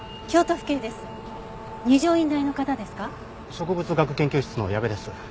植物学研究室の矢部です。